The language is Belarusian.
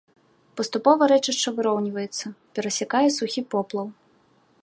Паступова рэчышча выроўніваецца, перасякае сухі поплаў.